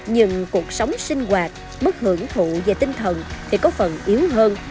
nhưng cuộc sống sinh hoạt mức hưởng thụ về tinh thần thì có phần yếu hơn